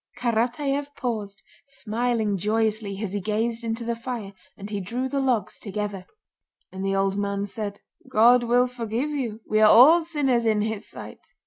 '" Karatáev paused, smiling joyously as he gazed into the fire, and he drew the logs together. "And the old man said, 'God will forgive you, we are all sinners in His sight.